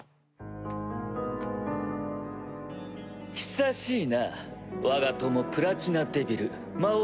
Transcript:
久しいなわが友プラチナデビル魔王